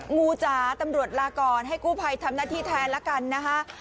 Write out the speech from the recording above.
งูจ๋าตำรวจลาก่อนให้กู้ภัยทำหน้าที่แทนละกันนะคะ